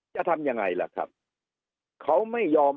จะทำยังไงล่ะครับ